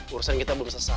urusan kita belum selesai